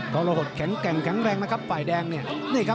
ก็ละหดแข็งแรงนะครับฝ่ายแดงเนี่ย